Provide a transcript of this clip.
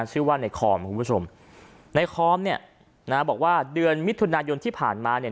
ชื่อว่าในคอมคุณผู้ชมในคอมเนี่ยนะบอกว่าเดือนมิถุนายนที่ผ่านมาเนี่ย